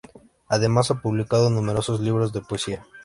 Además, ha publicado numerosos libros de poesía.